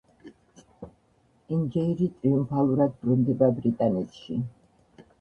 ენჯეირი ტრიუმფალურად ბრუნდება ბრიტანეთში.